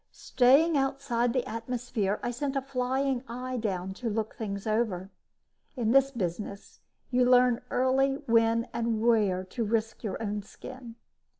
Staying outside the atmosphere, I sent a flying eye down to look things over. In this business, you learn early when and where to risk your own skin.